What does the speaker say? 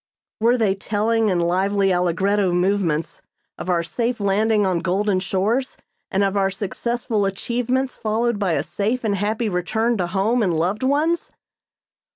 Were they telling in lively allegretto movements of our safe landing on golden shores, and of our successful achievements followed by a safe and happy return to home and loved ones?